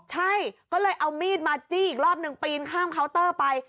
ใช่ก็เลยเอามีดมาจี้อีกรอบหนึ่งปีนข้ามเคาน์เตอร์ไป